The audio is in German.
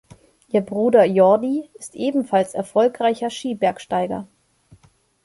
Ihr Bruder Jordi ist ebenfalls erfolgreicher Skibergsteiger.